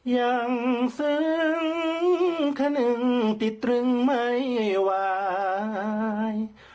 ยังซึ้งค่านึงติดตรึงไม้หวาย